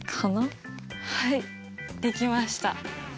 はいできました。